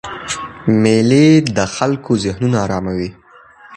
مېلې د خلکو ذهنونه آراموي.